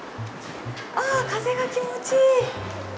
ああ風が気持ちいい。